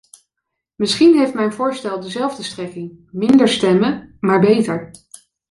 Misschien heeft mijn voorstel dezelfde strekking: minder stemmen, maar beter.